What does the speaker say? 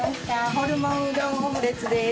ホルモンうどんオムレツです。